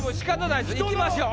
いきましょう。